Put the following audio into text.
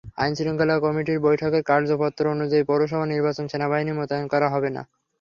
আইনশৃঙ্খলা কমিটির বৈঠকের কার্যপত্র অনুযায়ী, পৌরসভা নির্বাচনে সেনাবাহিনী মোতায়েন করা হবে না।